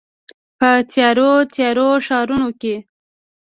په تیارو، تیارو ښارونو کې